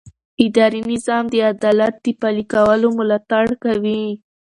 اداري نظام د عدالت د پلي کولو ملاتړ کوي.